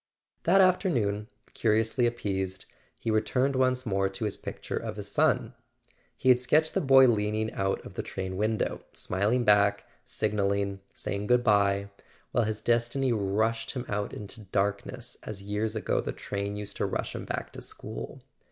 That afternoon, curiously appeased, he returned once more to his picture of his son. He had sketched the boy leaning out of the train window, smiling back, signalling, saying goodbye, while his destiny rushed him out into darkness as years ago the train used to rush him back to school.